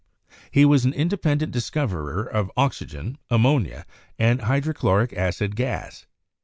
He was an in dependent discoverer of oxygen, ammonia and hydro chloric acid gas.